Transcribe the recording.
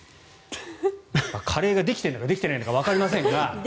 カレーができているのかできていないのかわかりませんが。